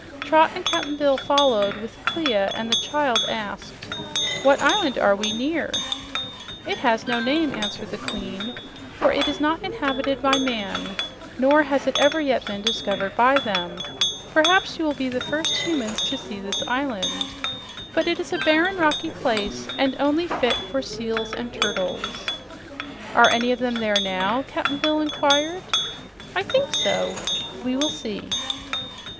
Trot and Cap'n Bill followed, with Clia, and the child asked, "What island are we near?" "It has no name," answered the Queen, "for it is not inhabited by man, nor has it ever yet been discovered by them. Perhaps you will be the first humans to see this island. But it is a barren, rocky place, and only fit for seals and turtles." "Are any of them there now?" Cap'n Bill inquired. "I think so. We will see."